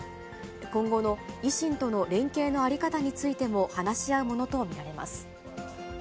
今後の維新との連携の在り方についても話し合うものと見られます。